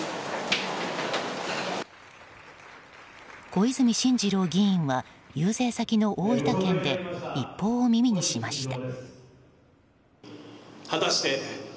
小泉進次郎議員は遊説先の大分県で一報を耳にしました。